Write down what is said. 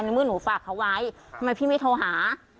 เมื่อหนูฝากเขาไว้ทำไมพี่ไม่โทรหา